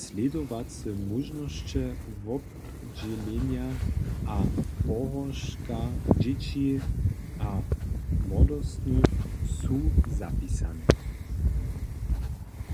Slědowace móžnosće wobdźělenja a pohórška dźěći a młodostnych su zapisane.